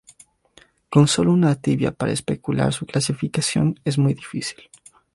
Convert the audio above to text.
Con solo una tibia para especular su clasificación es muy difícil.